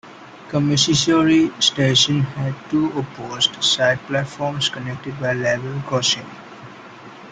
Kamishishiori Station had two opposed side platforms connected by a level crossing.